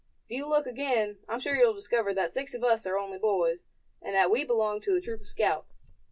"If you look again, I'm sure you'll discover that six of us are only boys, and that we belong to a troop of scouts.